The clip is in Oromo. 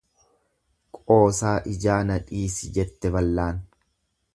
Qoosaa ijaa na dhiisi jette ballaan.